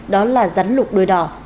đó là rắn lục đuôi đỏ